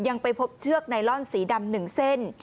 ยังไปพบเชือกไนลอนสีดำ๑เส้น